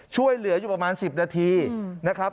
ช่วยเหลืออยู่ประมาณ๑๐นาทีนะครับ